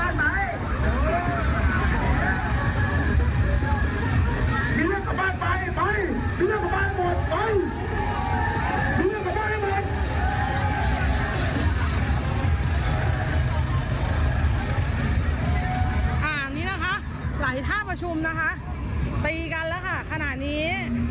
อันนี้นะคะหลายท่าประชุมนะคะตีกันแล้วค่ะขณะนี้